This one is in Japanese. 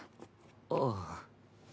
ああ。